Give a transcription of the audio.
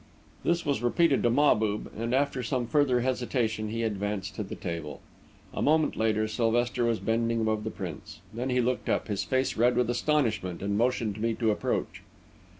This was repeated to Mahbub, and, after some further hesitation, he advanced to the table. A moment later, Sylvester was bending above the prints. Then he looked up, his face red with astonishment, and motioned me to approach.